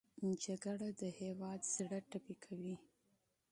جګړه د هېواد زړه زخمي کوي